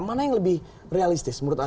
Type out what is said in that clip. mana yang lebih realistis menurut anda